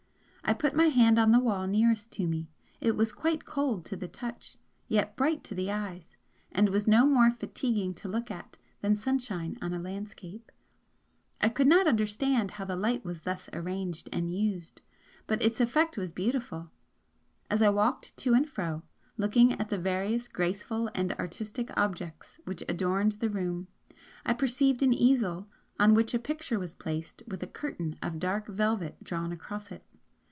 I put my hand on the wall nearest to me it was quite cold to the touch, yet bright to the eyes, and was no more fatiguing to look at than the sunshine on a landscape. I could not understand how the light was thus arranged and used, but its effect was beautiful. As I walked to and fro, looking at the various graceful and artistic objects which adorned the room, I perceived an easel, on which a picture was placed with a curtain of dark velvet drawn across it.